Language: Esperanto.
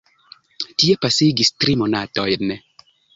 Tie pasigis tri monatojn.